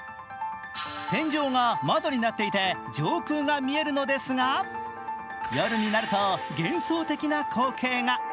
天井が窓になっていて上空が見えるのですが夜になると幻想的な光景が。